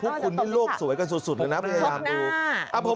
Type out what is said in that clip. พวกคุณนี่โลกสวยกันสุดเลยนะพี่ได้ทำดู